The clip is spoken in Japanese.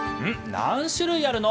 何種類あるの？